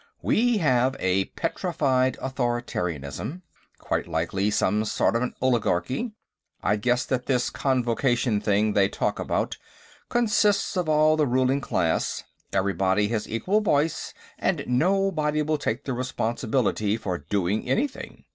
"We have a petrified authoritarianism. Quite likely some sort of an oligarchy; I'd guess that this Convocation thing they talk about consists of all the ruling class, everybody has equal voice, and nobody will take the responsibility for doing anything.